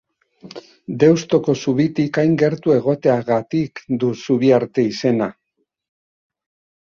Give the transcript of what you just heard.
Deustuko zubitik hain gertu egoteagatik du Zubiarte izena.